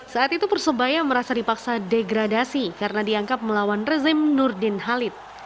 saat itu persebaya merasa dipaksa degradasi karena dianggap melawan rezim nurdin halid